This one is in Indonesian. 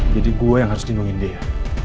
jadi gue yang harus lindungin dia